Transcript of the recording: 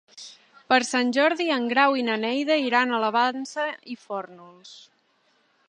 Per Sant Jordi en Grau i na Neida iran a la Vansa i Fórnols.